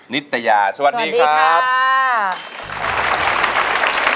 นิตยาสวัสดีครับสวัสดีครับสวัสดีครับ